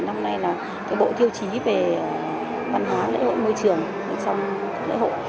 năm nay là bộ tiêu chí về văn hóa lễ hội môi trường trong lễ hội